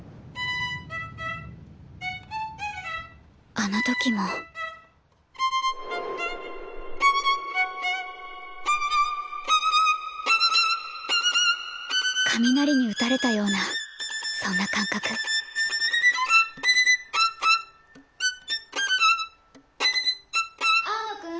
あの時も雷にうたれたようなそんな感覚青野くん。